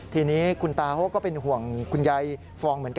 ทีนี้คุณตาเขาก็เป็นห่วงคุณยายฟองเหมือนกัน